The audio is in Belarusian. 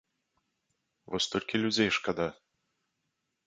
Вось толькі людзей шкада.